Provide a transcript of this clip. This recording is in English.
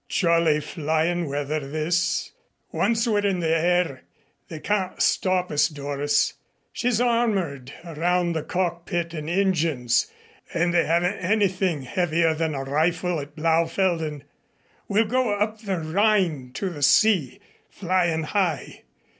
"Jolly flyin' weather this. Once we're in the air they can't stop us, Doris. She's armored around the cockpit and engines, and they haven't anything heavier than a rifle at Blaufelden. We'll go up the Rhine to the sea, flyin' high.